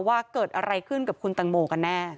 ว่าเกิดอะไรขึ้นกับคุณตังโมกันแน่